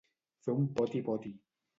Fer un poti-poti.